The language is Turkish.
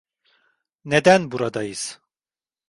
Neden buradayız?